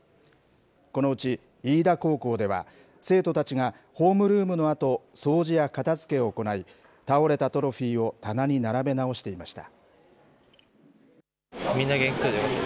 このうち飯田高校では、生徒たちがホームルームのあと、掃除や片づけを行い、倒れたトロフィーを棚に並べ直していました。